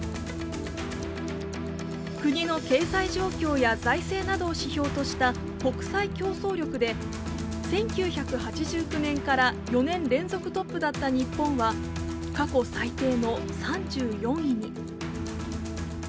国の経済状況や財政などを指標とした国際競争力で、１９８９年から４年連続トップだった日本は過去最低の３４位に。